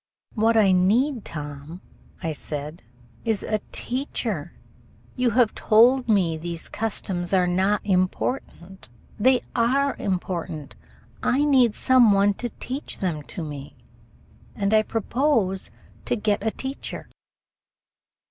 "What I need, Tom," I said, "is a teacher. You have told me these customs are not important. They are important. I need some one to teach them to me, and I propose to get a teacher."